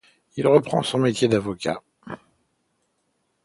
Il reprend son métier d'avocat.